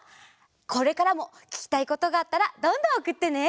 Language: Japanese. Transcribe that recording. これからもききたいことがあったらどんどんおくってね！